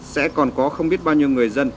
sẽ còn có không biết bao nhiêu người dân